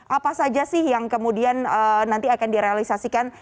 apa saja sih yang kemudian nanti akan direalisasikan